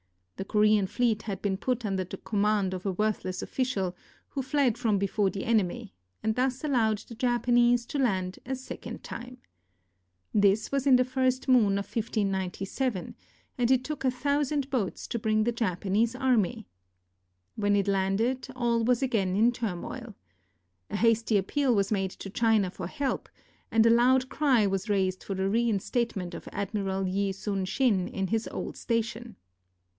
The Korean fleet had been put under the command of a worth less official, who fled from before the enemy, and thus allowed the Japanese to land a second time. This was in the first moon of 1597, and it took a thousand boats to bring the Japanese army. When it landed, all was again in turmoil. A hasty appeal was made to China for help, and a loud cry was raised for the reinstatement of Ad miral Yi Sun sin in his old station.